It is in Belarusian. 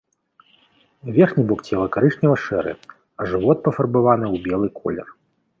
Верхні бок цела карычнева-шэры, а жывот пафарбаваны ў белы колер.